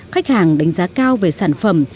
khách hàng đánh giá cao về sản phẩm